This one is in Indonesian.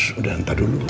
udah ntar dulu